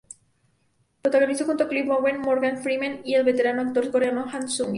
Protagonizó junto a Clive Owen, Morgan Freeman, y el veterano actor coreano Ahn Sung-ki.